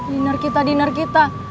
diner kita diner kita